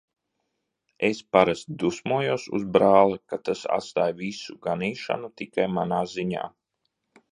Es parasti dusmojos uz brāli, ka tas atstāj visu ganīšanu tikai manā ziņā.